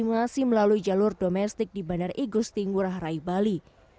masih melalui jalur domestik di bandara igusti ngurah rai bali